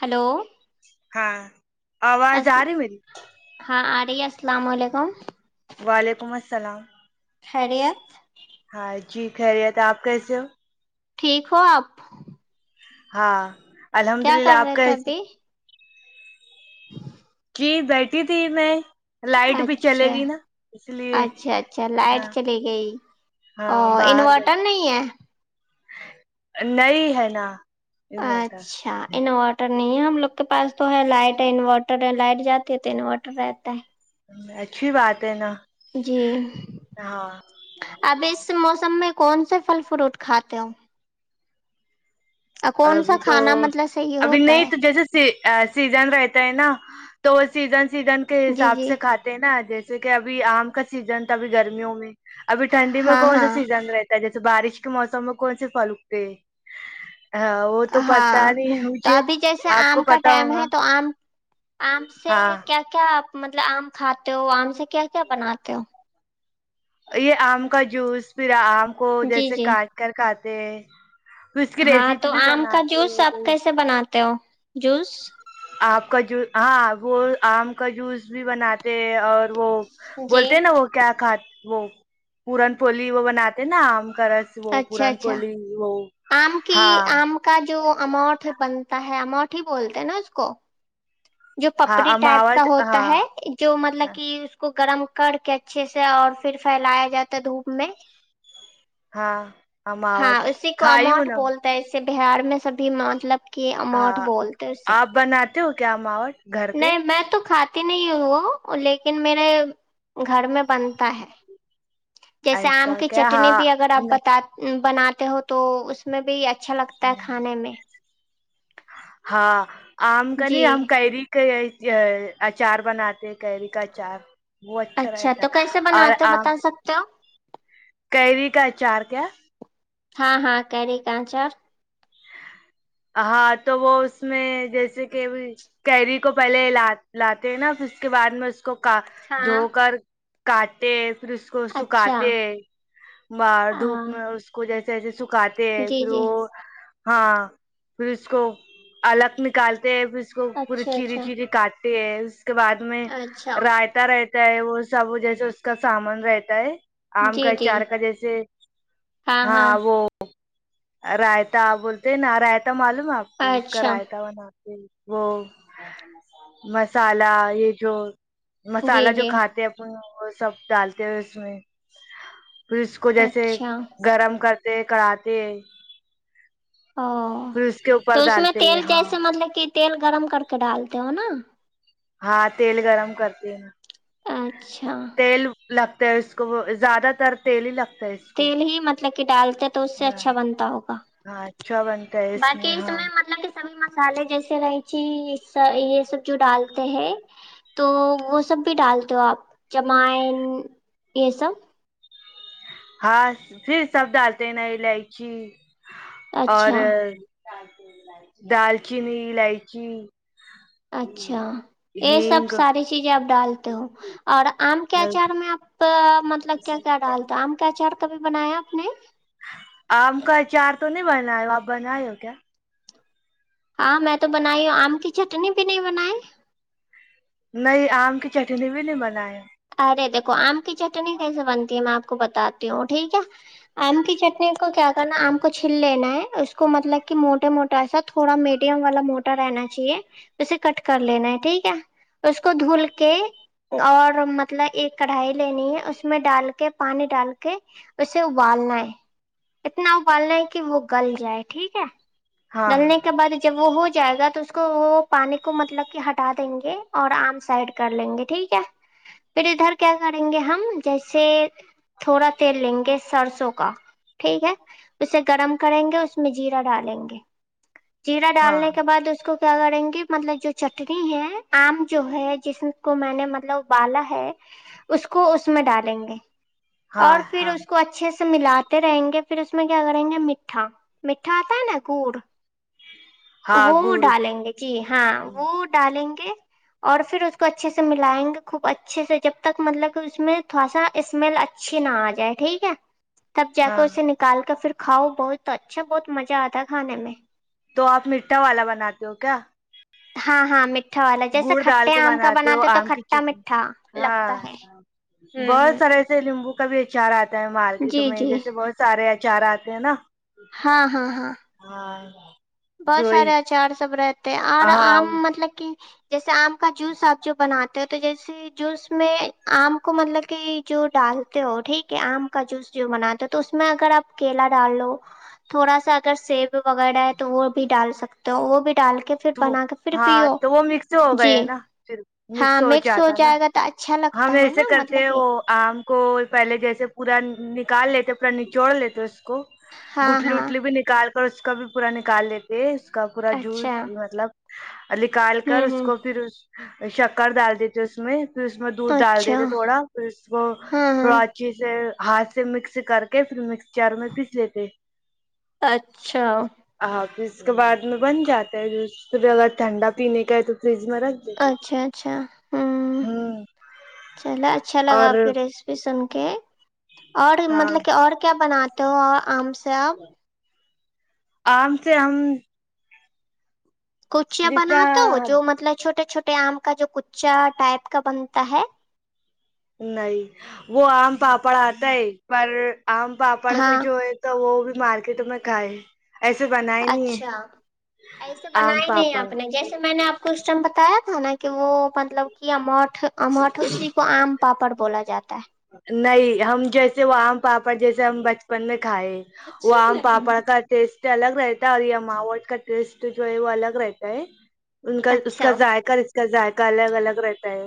Hello ہاں آواز آ رہی ہاں میری [inaudible] وعلیکم السلام خرییا ہاں جی خیریت آپ کیسے ہو ٹھیک ہو آپ ہاں الحمد کیا للہ کر آپ رہے تھے کیسے ابھی جی بیٹھی تھی میں لائٹ بھی چلے اچھا گی نا اس لیے اچھا اچھا لائٹ ہاں چلی گئی ہاں اور باہر انورٹر بیٹھ نہیں ہے نہیں ہے نا انورٹر اچھا انا واٹر نہیں ہے ہم لوگ کے پاس تو ہے لائٹ ہے انورٹر ہے لائٹ جاتی ہے تو انورٹر رہتا ہے اچھی بات ہے نا جی ہاں اب اس مو سب میں کون سے پھل فروٹ کھاتے ہ ابھی تو ابھی نہیں تو ہے جیسے سیزن رہتا ہے نا تو وہ سیزن سیزن کے جی حساب جی سے کاتے ہیں نا جیسے جیسے کہ ابھی آم کا سیزن تھا ابھی گرمیوں میں ابھی ٹھنڈی میں ہاں کون سا ہاں سیزن رہتا جیسے بارش کے موسم میں کون سے پھل اگتے ہاں وہ تو ہاں پتا نہیں تو مجھے ابھی جیسے آپ آم کو کا پتا ٹائم ہوگا ہے تو آم آم سے ہاں کیا کیا آپ مطلب آم کھاتے ہو آم سے کیا کیا بناتے ہو یہ آم کا جوس پھرا آم ہم کو جی جیسے جی کاٹ کر کا کہ ہاں تو آم کا جوس آپ کوئی کیسے بناتے ہو جوس آپ کا جو ہاں وہ آم کا جوس بھی بناتے ہیں اور وہ جی بولتے نا وہ کیا کھات وہ پورن پولی وہ بناتے نا کرراس وہ اچھا پوران اچھا پلی وہ آم کی ہاں آم کا جو اماؤٹ بنتا ہے ہمماٹ ہی بولتے ہیں نا اس کو جو ہاں پپڑی ٹائپ کا اماوٹ ہوتا ہاں ہے جو مطلب کہ اس کو گرم کر کے اچھے سے اور پھر پھیلایا جاتا ہے دھوپ میں ہاںموٹ کائیوں نا جے بہار میں سبھی مطلب کہ اماؤٹ ہاں بولتے اسے آپ بناتے ہو کیا ماوٹ گھر پ نہیں میں تو کھاتی نہیں وہ لیکن میرے گھر میں بنتا ہے جیسے آم ایسا کی کیا چٹنی ہاں بھی اگر آپ نہیں بتا بناتے ہو تو اس میں بھی اچھا اچھا لگتا ہے نہیں کھانے میں ہاں آم جی گنی ہم کاریی کا آئی ا اچار بناتے کیری کا اچار وہ اچھا رہتا ہے، تو کیسے اور بناتے ہو آم بتا سکتے ہو کیری کا اچار کیا ہاں ہاں کیری کچر ہاں تو وہ اس میں جیسے کہ کیری کو پہلے لاتے ہیں نا پھر اس کے بعد میں اس کو کا ہاں دھو کر کاٹے پھر اس کو اچھا سکھاتے بار ہاں دھوپ میں اس کو جیسے س کاتتے ہیں جی پھر جی وہ ہاں پھر اس کو الگ نکالتے پھر اس کو پورے اچھا چری اچھا چیری کاٹ پیاز بعد میں اچھا رائتا رہتا ہوتا ہے وہ سب جیسے اس کا سامان رہتا ہے آم جی کا ا جی چار کا جیسے ہاں وہ رائتا بولتے نا رائتا تمالو آپ کو اس کا اچھا رائتا ون آپ وہ مسالا یہ جو جی مسالہ جو جی کھاتے ہیں اپن وہ سب ڈالتے ہیں اس میں پھر اس کو جیسے اچھا گرم کر کراتے او تو اس میں تیل ہاں جیسے مطلب کہ تیل گرم کر کے ڈالتے ہو نا ہاں تیل گرم کرتی ہے نا اچھا لگتے ہے اس کو وہ زیادہ تر تیل ہی لگتا ہے اس کو تیل ہی مطلب کہ ڈالتے ہیں تو اس سے ہاں اچھا بنتا ہوگا ہاں اچھا بنتا ہے باقی اس ہاں میں مطلب سبھی مسالے جیسے رائچی س یہ سب جو ڈالتے ہیں تو وہ سب بھی ڈالتے ہو آپ جمائن یہ سب ہاں پھر سب ڈالتے ہیں نا الائچی اور اچھا دال چین الائچی اچھا یہ سب ہینگ ساری چیزیں آپ ڈالتے ہو اور آم کے ہلدی اچار میں آپ پ [unintelligible] مطلب کیا کیا ڈالتا ہے آم کا چر تبھی بنایا آپ نے آم کا اچار تو نہیں بنا ہے ہو آپ بنائے ہو کیا ہاں میں تو بنائی ہوں آم کی چٹنی بھی نہیں بنائے نہیں آم کی چٹنی بھی نہیں بنائے دیکو آم کی چٹنی کیسے بنتی ہے میں آپ کو بتاتی ہوں ٹھیک ہے آم کی چٹنی کو کیا کرنا آم کو چل لینا ہے اس کو مطلب کہ موٹا موٹا سا تھوڑا میڈیم والا موٹا رہنا چاہیے اسے کٹ کر لینا ہے ٹھیک ہے اس کو دھل کے اور مطلب ایک کڑھائی لینی ہے اس میں ڈال کے پانی ڈال کے اسے ابالنا ہے اتنا ابالنا ہے کہ وہ گل جائے ٹھیک ہے ہاں ڈلنے کے بعد جب وہ ہو جائے گا تو اس کو وہ پانی کو مطلب کہ ہٹا دیں گے اور آم سائڈ کر لیں گے ٹھیک ہے پھر ادھر کیا کریں گے ہم جیسے تھوڑا تیر لیں گے سرسو سو کا ٹھیک ہے اسے گرم کریں گے اس میں جیرا ڈالیں گے جیرا ہاں ہاں ڈالنے کے بعد اس کو کیا کریں گے مطلب جو چٹنی ہے آم جو ہے جس کو میں نے مطلب ابالا ہے اس کو اس میں ڈالیں گے ہاں اور پھر ہاں اس کو اچھے سے سے ملاتے رہیں گے پھر اس میں کیا کریں گے میٹھا میٹھا آتا ہے نا کوڑ ہاں وہ گڑ ڈالیں گے جی ہاں وہ ڈالیں گے اور پھر اس کو اچھے سے ملائیں گے خوب اچھے سے جب تک مطلب اس میں تھوڑا سا اسمیل اچھی نہ آ جائے ٹھیک ہے تب جیک کو ہاں اسے نکال کر پھر کھاؤ بہت اچھا بہت مزہ آتا کھانے میں تو آپ میٹھا والا بناتے ہو کیا ہاں ہاں م گڑ ڈال کے بناتے ہو آم کی چ کھٹا میٹھا ہاں لگتا ہے ہوں بہت سارے ہوں ایسے لیمبو کبھی چارا مارکیٹوں جی میں جی جیسے بہت سارے ای ب چارہ آتے ہیں نا ہاں ہاں ہاں ہاں بہت دوئی سارے اچار سب رہتے اور ہاں آم مطلب کہ جیسے آپ کا جوس آپ جو بناتے تو جیسے جوس میں آم کو مطلب کہ جو ڈالتے ہو ٹھیک ہے آم کا جوس جو بناتے تو اس میں اگر آپ کیلا ڈال لو تھوڑا سا اگر سیب وغیرہ ہے تو وہ بھی ڈال سکتے ہو وہ بھی ڈال کے پھر تو بنا کے پھر ہاں پیو تو وہ مکس ہو جی گیا نا پھر مکس ہاں ہو جاتا نا جائے گا تو اچھا ہم لگتا ہے ایسے نا کرتے مطلب ہیں کہ وہ آم کو پہلے جیسے پورا کال لیتے پرن نے چوڑ لیتے کو ہاں گٹلی ہاں اٹلی بھی نکال اس کا بھی پورا نکال لیتے کا پورا جوس اچھا ج مطلب نکال کر ہوں اس ہوں کو پھر شکر ڈال دیتے اس میں پھر اس میں دودھ ڈال دیتے اچھا تھے تھوڑا پھر اس کو ہاں تھوڑا ہاں اچھے سے ہاتھ سے مکس کر کے پھر مکسچر میں پیس لیتے اچھا ہاں پھر اس کے بعد میں بن جاتی س پھر اگر ٹھنڈا پینے کا ہے تو فریج میں رکھ دیتے اچھا اچھا ہ ہوں چلو اچھا لگا اور آپ کی ریسپی سن کے اور ہاں مطلب کہ اور کیا بناتے ہو اور آم س آام سے ہم کچیا جتنا بنااتا جو مطلب چھوٹے چھوٹے چے آم کا جو کچا ٹائپ کا بنتا ہے نہیں وہ آم پاپڑ آتا ہے پر آم پاپڑ کا ہاں جو ہے تو وہ بھی مارکیٹ میں کائے اچھا ایسے آم بنائے نہیں پاپڑ آپ نے جیسے میں نے آپ کو اسٹم بتایا تھا نا کہ وہ مطلب کہ اموٹھ اموٹھ اسی کو آم پاپڑ بولا جاتا ہے نہیں ہم جیسے وہ آم پاپڑ جیسے ہم بچپن میں کھائے وہ آم پاپڑ کا ٹیسٹ الگ رہتا ہے اور ماوٹ کا ٹیسٹ جو ہے وہ الگ رہتا ہے ان کا ہے اس کا اچھا ذائقہ کا ذائقہ الگ الگ رہتا ہے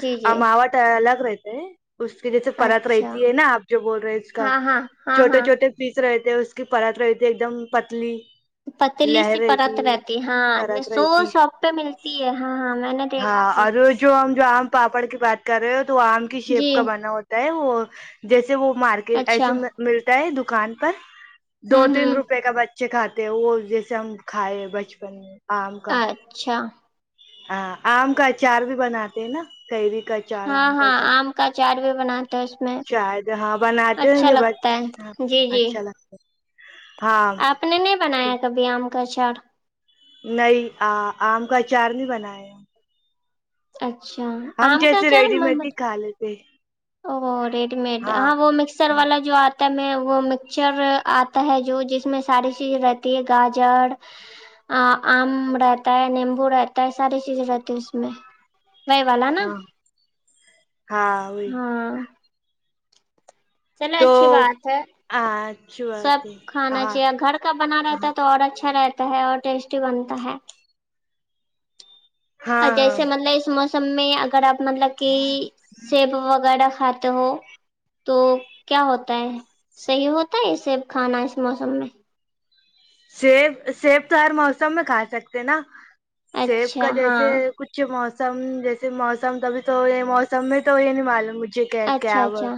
جی جی الگ رہے [inaudible] اس کی جیسے پرت اچھا رہتی ہے نا آپ جو بول رہے ہیں اس کا ہاں ہاں ہاں چھوٹے ہاں چھوٹے فیس رہ ے اس کی پرت رہی تھی ایک دم پتلی پتلی لہر سی پرت ہے، رہتی ہاں پرت سو رہتی شاپ پہ ملتی ہے ہاں ہاں میں نے دیکھا ہاں تھا اور جو ہم جو آم پاپڑ کی بات کر رہے ہو تو آم کی شیپ جی کا بنا ہوتا ہے وہ جیسے وہ مارکیٹ اچھا ایسے ملتا ہے د دکان پر دو ہوں تین ہوں روپئے کا بچہ بچے کھاتے ہیں وہ جیسے ہم کھائے بچپن میں آم کا اچھا ہاں آم کا اچار بھی بناتے ہیں نا کہئی بھی ہاں ہاں آم کا چاٹ بھی بناتے ہیں اس میں شاید ہاں بناتے ہیں اچھا یہ ب لگتا ہاں ہے جی جی اچھا لگتا ہے۔ ہاں آپ نے نہیں بنایا کبھی آم کا گچڑ نہیں آم کا اچار نہیں بنایا ہم اچھا ہم آم کا جیسے اچار ریڈی مڈ ہی محمد کھا لیتے جی او ریڈی مڈ ہاں وہ مکسر ہاں والا جو آتا میں وہ مکسچر آتا ہے جو جس میں ساری چیز رہتی ہے گاجر آم رہتا ہے نیمبو رہتا ہے ساری چیز رہتی ہے اس میں وہی والا نا ہاں ہاں ا ہاں چلو اچھی تو بات ہے اچھی سب بات ہے ہاں کھانا چاہیے گھر کا بنا رہتا ہاں ہے تو اور اچھا رہتا اور ٹیسٹی بنتا ہے اور ہاں ہاں جیسے مطلب اس سب میں اگر آپ مطلب کہ سیب وغیرہ کھاتے ہو تو کیا ہوتا ہے صحیح ہوتا ہے صے کھانا اس موسم میں سیب سیب تو ہر موسم میں کھا سکتے نا سیب کا اچھا ہاں جیسے کچھ مو سم جیسے موسم تبھی تو یہ موسم میں تو یہ نہیں معلوم ج کہ اچھا کےو اچھا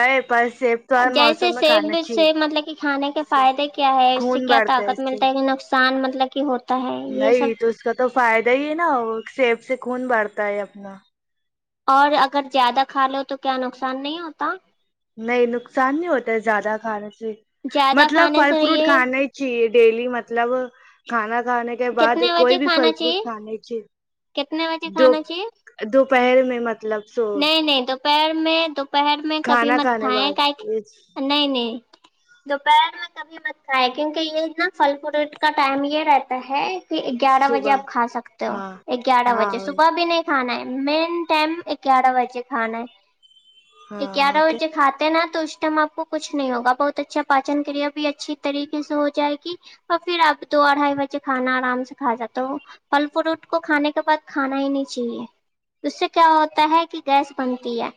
ائ پر سیف توار موسم جیسے میں کھانا سیب چاہیے سے مطلب کہ کھانے کے فائدے کیا ہے اس سے خون کیا بڑھتا طاقت اس سے ملتا ہے کہ نقصان مطل ل کہ ہو نہیں تو اس کا تو فائدہ ہی ہے نا سیب سے کون بڑتا ہے اپنا اور اگر زیادہ کھا لو تو کیا نقصان نہیں ہوتا نہیں نقصان نہیں ہوتا ہے زیادہ کھانے سے زیادہ مطلب کھانے فل سے فروٹ یہ کھانے چاہے ڈیلی مطلب کھانا کھانے کے بعد کتنے کوئی بجے بھی فھل کھانا فروٹ چاہیے کھانے چے کتنے بجے دو کھانا چاہیے دوپہر میں مطلب س پیر میں دک پہر میں کبھی مت کھائےیں بعد کا نہیں نہیں دوپہر میں کبھی مت کھائے کیونکہ یہ نا پھل فروٹ کا ٹائم یہ رہتا ہے کہ ہے کہ گیارہ بجے صبح آپ کھا سکتے ہو ہاں گیارہ ہاں بجے صبح بھی نہیں کھانا ہے مین ٹائم گیارہ بجے کھانا ہے یہ ہاں کیاار اوکے وہ کات ہیں نا اسٹمپ کوچھ نہیں ہوگا بہت اچھا پاچن کریا بھی اچھی طریقے سے ہو جائے گی تو پھر اب تو اڑھائی بجے کھانا آرام سے کھا جاتا ہو پھل فروٹ کو کھانے کے بعد کھانا ہی نہیں چاہیے اس سے کیا ہوتا ہے کہ گیس بنتی ہے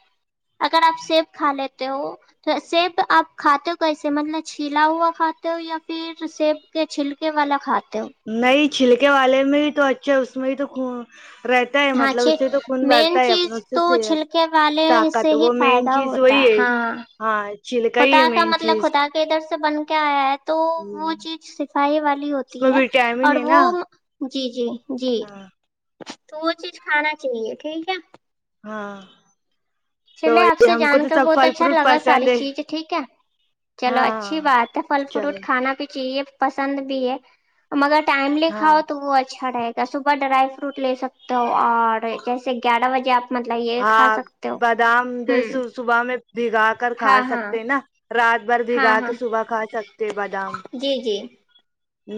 اگر آپ سیب کھا لیتے ہو تو سیب آپ کھاتے ہو کیسے مطلب چھیلا ہوا کھاتے ہو یا پھر سیب کے چھلکے والا کھاتے ہو نہیں چھلکے والے میں ہی تو اچھا اس میں بھی تو رہتا ہے ہاں مطلب اس سے تو چھ خون بٹھتا مین ہے اپنا چیز اس سے تو صحت چھلکے والے سے طاقت ہی وہ مین چیز وہی ہے ہاں چھلکا ہی ختا ہے کا مین مطلب چیز ختا کے ادھر سے بن کے آیا ہے تو وہ اس چیز سفاہی والی ہوتی میں ہے وٹامن اور ہے وہ نا جی جی جی ہاں تو وہ چیز کھانا چاہیے ٹھیک ہے ہاں تو چلے آپ سے ہم کو جان تو کر سب بہت پھل اچھا فروٹ لگا پسند ساری ہے چیز ٹھیک ہے چلو اچھی ہاں بات ہے پھل چلے فروٹ کھانا بھی چاہیے پسند بھی ہے مگر ٹائملی ہاں کھاؤ تو وہ اچھا رہے گا صبح ڈرائی فروٹ لے سکتے ہو اور جیسے گیارہ بجے آپ مطلب یہ کھا سکتے ہو شام ہوں جیسے صبح میں بھگا کر کھا ہاں ہاں سکتے نا رات بھر ہاں بھگا ہاں کے صبح کھا سکتے بادام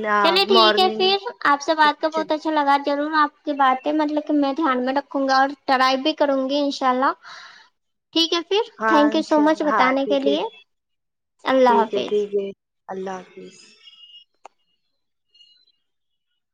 نہ چلے ٹھیک ہے مارننگ میں پھر آپ سے بات کر بہت اچھا لگا ضرور آپ کی باتیں مطلب کہ میں دھیان میں رکھوں گا اور ٹرائی بھی کروں گی انشاء اللہ ٹھیک ہے پھر ہاں تھینک یو سو مچ ہاں بتانے کے ٹھیک ہے لیے اللہ ٹھیک ہے حافظ ٹھیک ہے اللہ حافظ